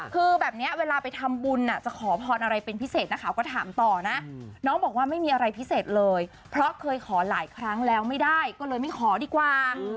คือแบบนี้เวลาไปทำบุญจะขอพรอะไรเป็นพิเศษนักข่าวก็ถามต่อนะน้องบอกว่าไม่มีอะไรพิเศษเลยเพราะเคยขอหลายครั้งแล้วไม่ได้ก็เลยไม่ขอดีกว่า